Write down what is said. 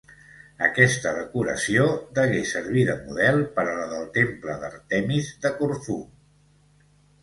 Aquesta decoració degué servir de model per a la del temple d'Àrtemis de Corfú.